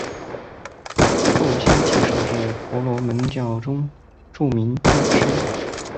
父亲提舍是婆罗门教中著名论师。